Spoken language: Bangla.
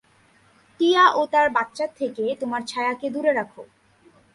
টিয়া ও তার বাচ্চা থেকে তোমার ছায়াকে দূরে রাখ।